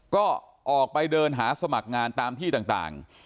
ก็ออกไปเดินหาสมัครงานตามที่ต่าง